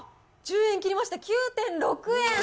１０円切りました、９．６円。